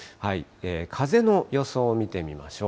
風の予想を見てみましょう。